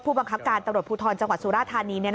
บังคับการตำรวจภูทรจังหวัดสุราธานี